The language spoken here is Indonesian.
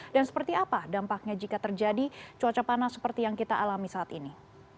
dan seperti apa dampaknya jika terjadi cuaca panas seperti yang kita alami saat ini